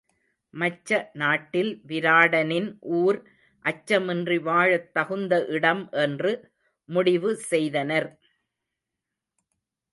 மச்ச நாட்டில் விராடனின் ஊர் அச்சமின்றி வாழத் தகுந்த இடம் என்று முடிவு செய்தனர்.